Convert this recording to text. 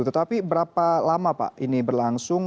tetapi berapa lama pak ini berlangsung